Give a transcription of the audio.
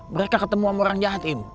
mereka ketemu sama orang jahat im